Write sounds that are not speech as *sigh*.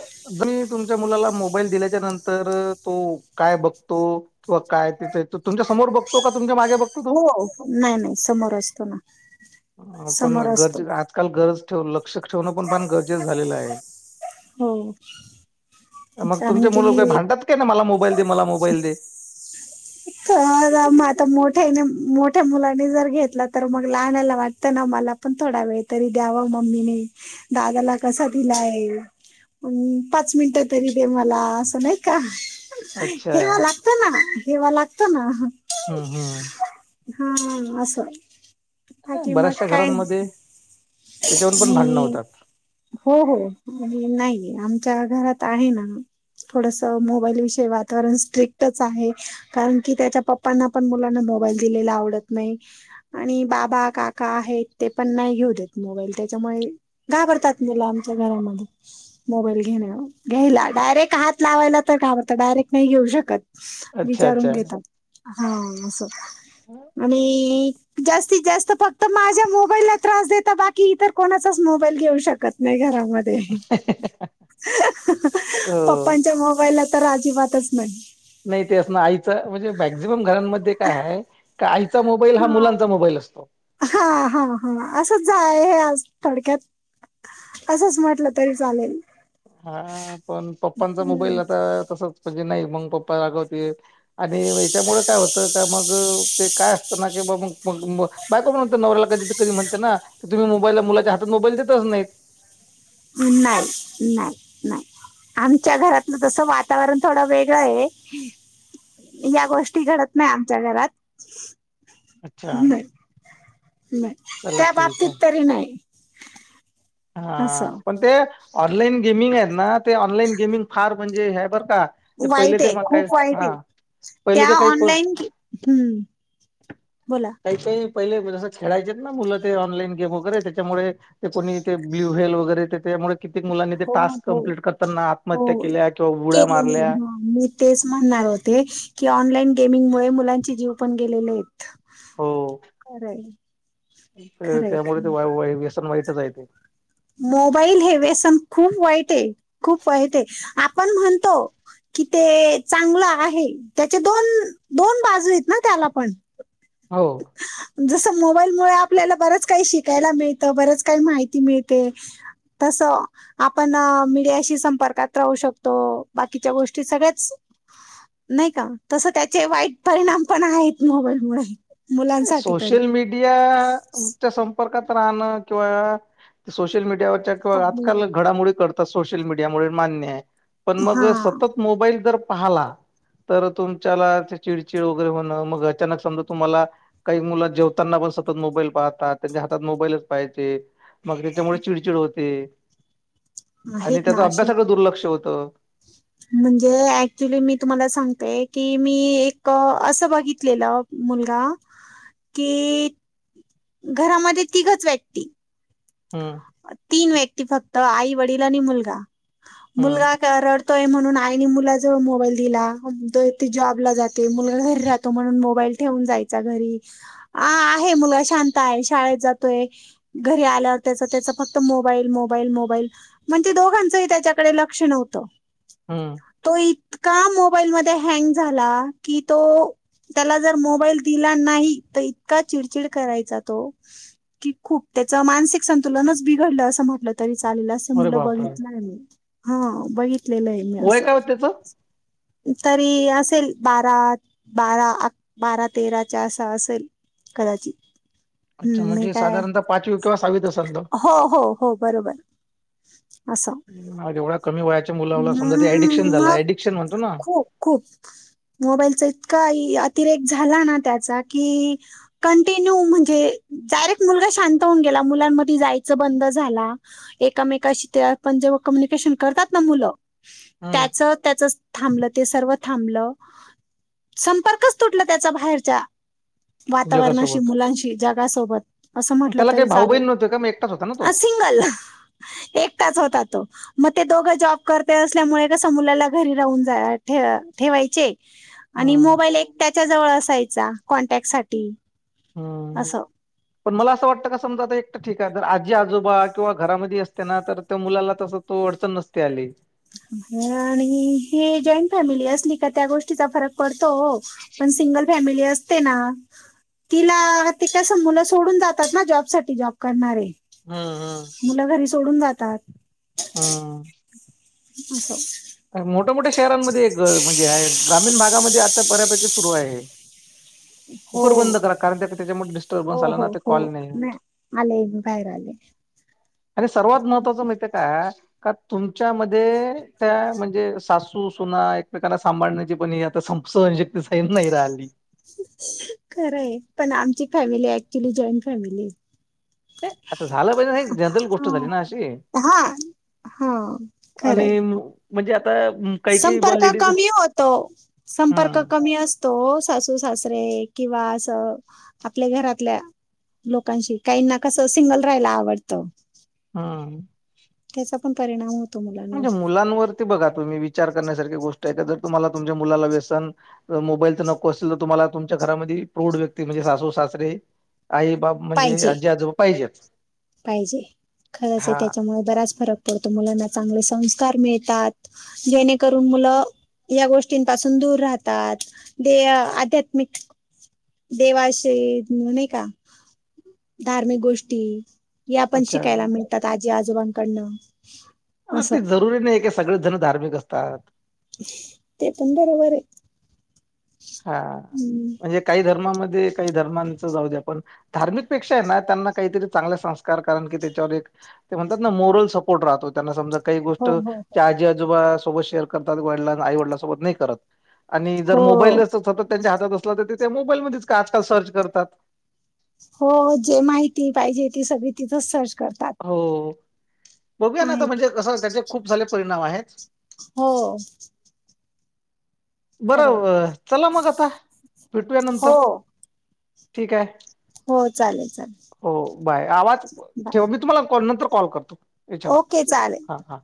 तुमही तुमच्या मुलाला मोबाईल दिल्याच्या नंतर तो काय बघतो किंवा काय तिचं तुमच्या समोर बघतो का तुमच्या मागे बघतो तो हो नाही, नाही समोर असतो ना पण समोर असतो गरजे आजकाल गरज ठेव लक्ष ठेवणं पण पण गरजेच झालेलं आहे हो मग कारण तुमचे मुलं काही की भांडतात का ना मला मोबाईल दे, मला मोबाईल दे मग आता मोठ्याने मोठ्या मुलाने जर घेतला तर मग लहानला वाटतं ना मला ला पण थोडा वेळ तरी द्याव मम्मीने दादाला कसा दिलाय पाच मिनटं तरी दे मला असं नाही का अच्छा हेवा लागत ना हेवा लागत हम्म, हम्म हा असं बाकी मग बऱ्याचशा काय घरांमध्ये त्याच्यावरून पण भांडणं आणि होतात हो, हो आणि नाहीे आमच्या घरात आहे ना थोडस मोबाईल विषयी वातावरण स्ट्रिकटच आहे कारण की त्याच्या पप्पांना पण मुलाना मोबाईल दिलेला आवडत नाही आणि बाबा, काका पण नाही घेऊ देत मोबाईल त्याच्यामुळे घाबरतात आमच्या मुल आमच्या घरामध्ये मोबा घ्यायला डायरेक्ट हात लावायला तर कातं डायरेक्ट नाही घेऊ शकत अच्छा विचारून अच्छा घेतात हा असं आणि जास्तीत जास्त फक्त माझ्या मोबाईलला त्रास देता बाकी इतर कोणाचाच मोबाईल घेऊ शकत नाही घरामध्ये हो पप्पांच्या मोबाईल तर अजिबातच नाही नाही ते अस ना आईच म्हणजे मॅक्झिमम घरांमध्ये काय आहे का आई चा मोबाईल हा मुलांचा मोबाईल असतो हा, हा, हा असं जाय आज थोडक्यात असंच म्हटलं तरी चालेल हा पण पप्पांचा मोबाईल हम्म. आता तसच म्हणजे नाही मग पप्पा रागवते आणि याच्यामुळे काय होतं का मग ते काय असतं ना की बा मग मग बायको म्हण नवऱ्याला कधी कध म्हणते ना की तुम्ही मोबाईलला मुलाच्या हात मोबाईल देतच नाहीत हम नाही, नाही, नाही आमच्या घरातलं तस वातावरण थोडं वेगळं आहे या गोष्टी घडत नाही आमच्या घरात अच्छा नाही नाही चला त्या ठीक आहे बाबतीत तरी नाही हा असं पण ते ऑनलाईन गेमिंग आहेत ना ते ऑनलाईन गेमिंग फार म्हणजे ह्या बर का ते पहिले वाईट ते आहे मग काय खूप वाईट हा आहे पहिले त्या ते काही को ऑनलाईन कि, हम् काही काही. पहिले जसं खेळायचे ना मुलं ते ऑनलाईन गेम वगैरे त्याच्यामुळे ते कोणी ते ब्लू वल वगैरे ते त्यामुळे, कित्येक मुलांनी ते हो टास्क हो कंप्लीट करताना आत्महत्या हो केल्या किंवा बुड्या केलेली मारल्या. हा मी तेच म्हणणार होते की ऑन ऑनलाईन गेमिंग मुलांचे जीव पण गेलेले आहेत. खरय, तर त्यामुळे ते वा व्यसन वाईटच आहे ते. मोबाईल हे व्यसन खूप वाईट आहे. खूप वाईट हे. ते आपण म्हणतो की ते चांगलं आहे त्याचे दोन दोन बाजू आहेत ना त्याला पण, हो. जस मोबाईल मुळे आपल्याला बरंच काही शिकायला मिळत बरच काही माहिती मिळते. तस आपण मीडियाशी संपर्कात राहू शकतो. बाकीच्या गोष्टी सगळ्याच नाही का तस त्याचे वाईट परिणाम पण आहेत मोबाईल मुळे. सोशल मीडिया त *unintelligible* संपर्कात राहण किंवा सोशल मीडियावरच्या किंवा आजकाल पब्लिक घडामोडी कळ सोशलमीडिया मुळे मान्य आहे, पण हा मग सतत मोबाईल जर, पाहाला तर तुमच्याला चिडचिड वगैरे होण मग अचानक समजा तुम्हाला, काही मुलं जेवताना पण सतत मोबाईल पाहतात त्यांच्या हातात मोबाईलच पाहिजे. मग त्याच्यामुळे चिडचिड होते. आणि आहेतना त्याचा अशे, अभ्यासाकडे दुर्लक्ष होतं. म्हणजे ऍक्च्युली मी तुम्हाला सांगतेय की, मी एक अस बघितलेल मुलगा की, घरामध्ये तिघच व्यक्ती. हम्म तीन व्यक्ती, फक्त आई वडील आणि मुलगा, हम्म मुलगा रडतोय म्हणून आईने मुला जवळ मोबाईल दिला जॉबला जाते. मुलगा घरी राहतो म्हणून, मोबाईल ठेवून जायचा घरी आहे. मुलगा शांत आहे. शाळेत जातोय, घरी आल्यावर त्याच त्याच फक्त मोबाईल, मोबाईल, मोबाईल म्हणजे त दोघांचंही त्याच्याकडे लक्ष नव्हत. हम्म तो इतका मोबाईल मध्ये हँग झाला. की तो, त्याला जर मोबाईल दिला नाही तर इतका चिडचिड करायचा तो- की खूप त्याच मानसिक, संतुलनच बिघडल अस म्हटलं तरी चालेल. अस अरे मुल बापरे! बघितलंयी ह बघितलं आहे मी वय अस. काय होत त्याचं? तरी असेल बारा, बारा, बारा, तेराच्या अस असेल. कदाचित, अच्छा हम्म मी म्हणजे काय साधारणतः पाचवी. किंवा सहावीत असेल तो. हो, हो, हो बरोबर. असं, आज एवढ्या कमी वयाच्या अ मुलाला समजा ते ऍडिक्शन झालं मग ऍडिक्शन म्हणतो ना खूप खूप. मोबाईल चा इतका अतिरेक झाला ना त्याचा की कंटिन्य म्हणजे डायरेक्ट मुलगा शांत होऊन, केला मुलांमध्ये जायच बंद झाला एकामेकाशी ते पण जेव्हा कम्युनिकेशन करतात ना मुल, हम्म त्याच त्याच थांबल ते सर्व थांबल संपर्कच तुटला त्याचा बाहेरच्या, वातावरणाशी जगासोबत मुलांशी जगासोबत असं म्हटलं त्याला काही तरी भाऊ चालेल. बहीण नव्हते का मग एकटाच होता ना तो सिंगल एकटाच होता तो. मग ते दोघ जॉब करते असल्यामुळे कस मुलाला घरी राहून जा ठेवायचे. आणि हम्म मोबाईल एक त्याच्या जवळ असायचा कॉन्टॅक्ट साठी. हम्म असं पण मला अस वाटत कास समजा आता एक तर ठीक आहे. तर आजी आजोबा किंवा घरामध्ये असते ना तर त्या मुलाला तस तो अडचण नसते आली. आणि हे जॉईंट फॅमिली असली का, त्या गोष्टीचा फरक पडतो हो पण, सिंगल फॅमिली असते ना, तिला, ते कसं मुलं सोडून जातात ना जॉब साठी जॉब करणारे, हम् हम् मुलं घरी सोडून जातात. हम् *unintelligible* मोठ्या मोठ्या शहरांमध्ये एक म्हणजे ग्रामीण भागामध्ये आता बऱ्यापैकी सुरू आहे. हो कुकर बंद करा, कारण त्या त्याच्यामुळे डिस्टर्बन्स हो आला ना हो ते हो कॉल नाही होत. आले मी बाहेर आले आणि सर्वात महत्त्वाचं माहित काय का तुमच्यामध्ये त्या म्हणजे, सासू सुना एकमेकांना सांभाळण्याची पण आता समज खरं आहे, पण आमची फॅमिली ऍक्च्युली जॉईंट फॅमिली आहे. आता झालं पाहिजे जनरल गोष्ट झाली ना अशी? हा हा आणि खरंय म्हणजे आ संपर्क कमी होतो, संपर्क हम्म कमी असतो सा सासरे किंवा असं आपल्या घरातल्या लोकांशी काहींना कसं सिंगल राहायला आवडतं. हा. त्याचा पण परिणाम हो म्हणजे मुलांवरती बघा तुम्ही विचार करण्यासारखी गोष्ट आहे का ज तुम्हाला तुमच्या मुलाला व्यसन, मोबाईलचं नको असलेलं तुम्हाला तुमच्या घरामध्ये प्रौढ व्यक्ती म्हणजे सासू सास सरे आई बाब म्हणजे पाहिजे आजी-आजोबा पाहिजेच. पाहिजे, खरच आहे हा त्याच्यामुळे बराच फरक पडतो मुलांना चांगले संस्कार मिळतात, जेणेकरून मुलं या गोष्टींपासून दूर राहतात, दे आध्यात्मिक देवाशय नाय का धार्मिक गोष्टी, यापण शिकायला अच्छा मिळतात आजी आजोबांकडनं. असं ते जरुरी नाही का सगळेच जण धार्मिक असतात. ते पण बरोबर आहे. हा, हम्म म्हणजे काही धर्माम जे काही धर्मांचं जाऊ द्या पण, धार्मिकपेक्षा आहे ना त्यांना काहीतरी चांगले संस्कार कारण की त्याच्यावर एक ते म्हणतात ना मोरल सपोर्ट राहतो त्यांना समजा काही गोष्ट, हो हो त्या आजी आजोबा सोबत शेअर करतात वडला आई वडिलां सोबत नाही करत. आणि जर हो मोबाईल जर हो सतत त्यांच्या हातात असला तर त्या मोबाईलमध्येच का आजकाल सर्च करतात? हो जे माहिती पाहिजे ती सगळी तिथं सर्च करतात. हो बघूया ना आता आहेत म्हणजे कसं त्याचे खूप सारे परिणाम आहेत. हो खरंय बरं अ चला मग आता, भेटूया हो नंतर. ठीक आहे, हो चालेल चालेल हो बाय आवाज ठेव बाय मी तुम्हाला कॉल नंतर कॉल करतो, याच्यावर ओके चालेल. हा हा